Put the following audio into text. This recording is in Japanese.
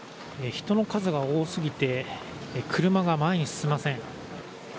人の数が多すぎて車が前に進みません。